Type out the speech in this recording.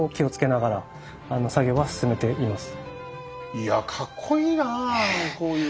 いやかっこいいなあこういうね。